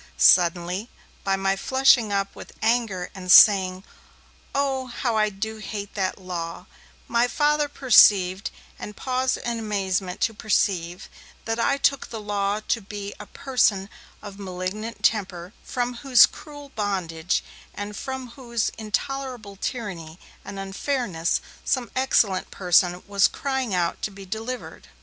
Suddenly by my flushing up with anger and saying, 'Oh how I do hate that Law,' my Father perceived, and paused in amazement to perceive, that I took the Law to be a person of malignant temper from whose cruel bondage, and from whose intolerable tyranny and unfairness, some excellent person was crying out to be delivered.